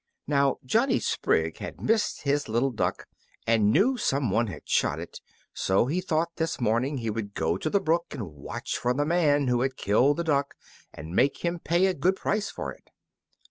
Now Johnny Sprigg had missed his little duck, and knew some one had shot it; so he thought this morning he would go the brook and watch for the man who had killed the duck, and make him pay a good price for it.